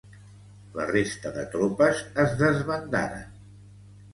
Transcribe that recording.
La resta de tropes es desbandaren.